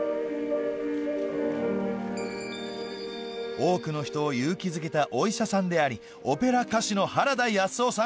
多くの人を勇気づけたお医者さんでありオペラ歌手の原田康夫さん